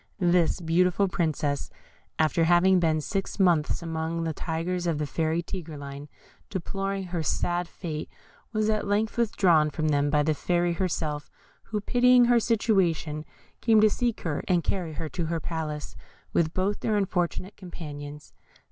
This beautiful Princess, after having been six months amongst the tigers of the Fairy Tigreline, deploring her sad fate, was at length withdrawn from them by the Fairy herself, who pitying her situation, came to seek her and carry her to her palace, with both her unfortunate companions.